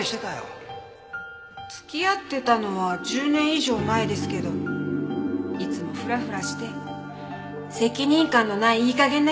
付き合ってたのは１０年以上前ですけどいつもフラフラして責任感のないいい加減な人でした。